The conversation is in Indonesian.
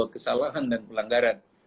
kesalahan dan pelanggaran